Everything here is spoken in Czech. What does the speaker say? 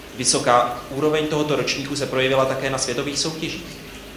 Vysoká úroveň tohoto ročníku se projevila také na světových soutěžích.